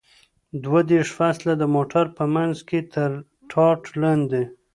دوه دېرشم فصل: د موټر په منځ کې تر ټاټ لاندې.